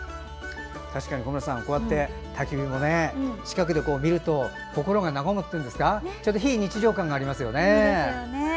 確かに小村さんこうやってたき火を近くで見ると心が和むっていうんですか非日常感がありますよね。